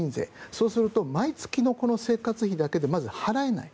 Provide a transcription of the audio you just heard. そうすると毎月の生活費だけでまず払えない。